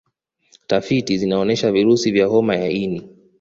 Tafiti zinaonyesha virusi vya homa ya ini